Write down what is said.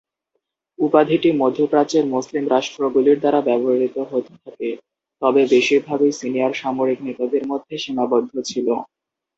উপাধিটি মধ্যপ্রাচ্যের মুসলিম রাষ্ট্রগুলির দ্বারা ব্যবহৃত হতে থাকে, তবে বেশিরভাগই সিনিয়র সামরিক নেতাদের মধ্যে সীমাবদ্ধ ছিল।